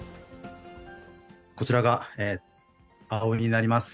こちらが葵になります。